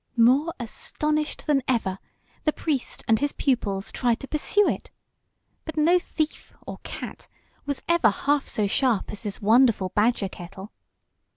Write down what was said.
More astonished than ever, the priest and his pupils tried to pursue it; but no thief or cat was ever half so sharp as this wonderful badger kettle.